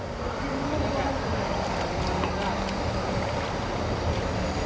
จะย้อมติดได้ดีอีก